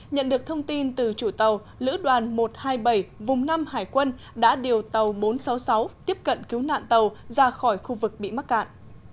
nhận được thông tin từ chủ tàu lữ đoàn một trăm hai mươi bảy vùng năm hải quân đã điều tàu bốn trăm sáu mươi sáu tiếp cận cứu nạn tàu ra khỏi khu vực bị mắc cạn